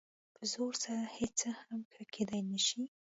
په زور سره هېڅ څه هم ښه کېدلی نه شي.